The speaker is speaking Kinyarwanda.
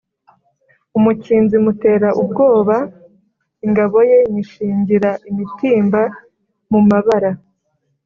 Umukinzi mutera ubwoba ingabo ye nyishingira imitimba mu mabara,